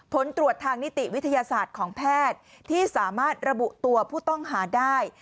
ผลตรวจทางนิติวิทยาศาสตร์ของแพทย์ที่สามารถระบุตัวผู้ต้องหาได้